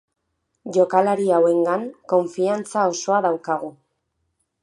Jokalari hauengan kofiantza osoa daukagu.